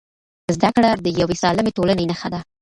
زده کړه د یوې سالمې ټولنې نښه ده.